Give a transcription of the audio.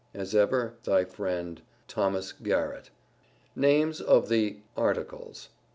As ever thy friend, THOS. GAREETT. NAMES OF THE "ARTICLES."